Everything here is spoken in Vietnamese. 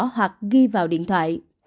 hoặc ghi vào điện thoại